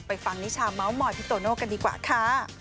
ไปฟังนิชาเมาส์มอยพี่โตโน่กันดีกว่าค่ะ